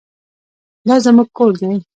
دا زموږ کور دی